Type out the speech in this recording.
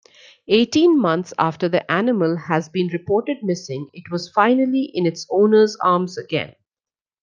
Eighteen months after the animal has been reported missing it was finally in its owner's arms again.